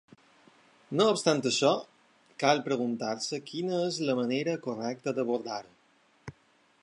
No obstant això, cal preguntar-se quina és la manera correcta d’abordar-ho.